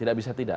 tidak bisa dikira